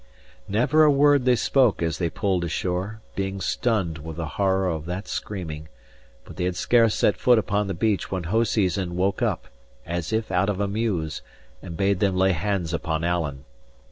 Never a word they spoke as they pulled ashore, being stunned with the horror of that screaming; but they had scarce set foot upon the beach when Hoseason woke up, as if out of a muse, and bade them lay hands upon Alan.